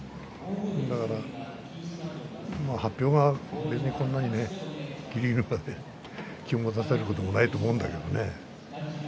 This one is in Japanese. だから発表がこんなに、ぎりぎりまで気を持たせることもないと思うんだけれどね。